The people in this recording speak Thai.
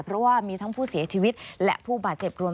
เพราะว่ามีทั้งผู้เสียชีวิตและผู้บาดเจ็บรวม